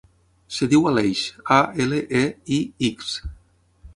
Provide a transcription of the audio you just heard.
Es diu Aleix: a, ela, e, i, ics.